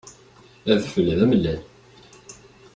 Adfel d amellal.